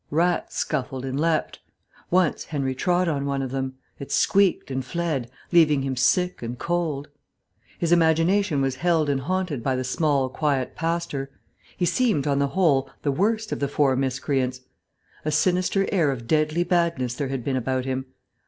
Rats scuffled and leaped. Once Henry trod on one of them; it squeaked and fled, leaving him sick and cold. His imagination was held and haunted by the small quiet pastor; he seemed, on the whole, the worst of the four miscreants. A sinister air of deadly badness there had been about him....